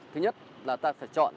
thứ nhất là ta phải chọn